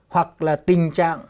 hoặc là tình trạng